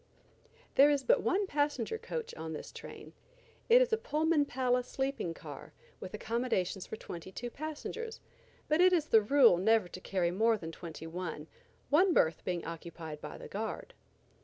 There is but one passenger coach on this train. It is a Pullman Palace sleeping car with accommodations for twenty two passengers, but it is the rule never to carry more than twenty one, one berth being occupied by the guard.